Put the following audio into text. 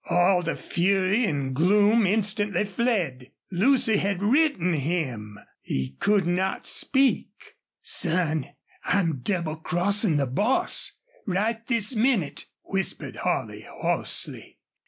All the fury and gloom instantly fled. Lucy had written him! He could not speak. "Son, I'm double crossin' the boss, right this minnit!" whispered Holley, hoarsely.